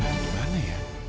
di tempat lain